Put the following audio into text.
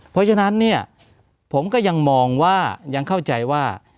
เพราะฉะนั้นเนี่ยผมก็ยังมองว่ายังเข้าใจว่า